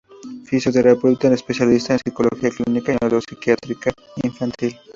Psicoterapeuta, es especialista en psicología clínica y neuropsiquiatría infantil.